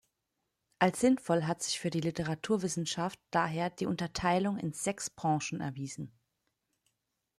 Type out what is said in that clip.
Als sinnvoll hat sich für die Literaturwissenschaft daher die Unterteilung in sechs Branchen erwiesen.